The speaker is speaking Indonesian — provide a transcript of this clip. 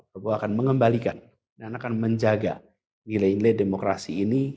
prabowo akan mengembalikan dan akan menjaga nilai nilai demokrasi ini